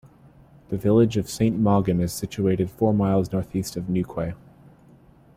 The village of Saint Mawgan is situated four miles northeast of Newquay.